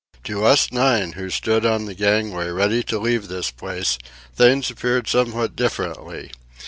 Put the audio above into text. To us nine, who stood on the gangway ready to leave this place, things appeared somewhat differently.